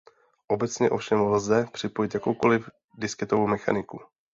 Obecně ovšem lze připojit jakoukoliv disketovou mechaniku.